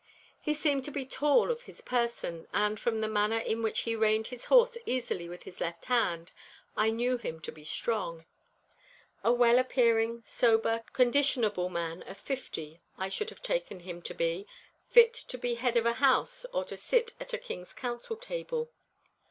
He seemed to be tall of his person, and, from the manner in which he reined his horse easily with his left hand, I knew him to be strong. A well appearing, sober, conditionable man of fifty I should have taken him to be, fit to be head of a house or to sit at a king's council table.